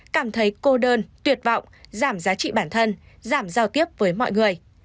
cảm thấy cô đơn tuyệt vọng giảm giá trị bản thân giảm giao tiếp với mọi người